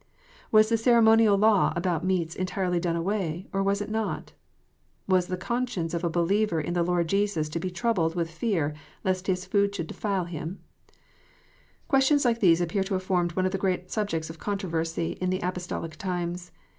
Was the ceremonial law about meats entirely done away, or was it not 1 Was the conscience of a believer in the Lord Jesus to be troubled with fear lest his food should defile him 1 Questions like these appear to have formed one of the great subjects of controversy in the Apostolic times.